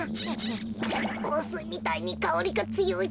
こうすいみたいにかおりがつよい。